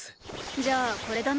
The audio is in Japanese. じゃあこれだな。